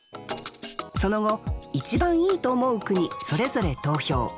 その後一番良いと思う句にそれぞれ投票。